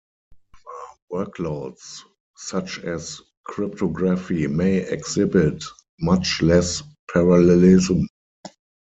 However, workloads such as cryptography may exhibit much less parallelism.